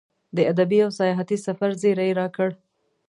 د ادبي او سیاحتي سفر زیری یې راکړ.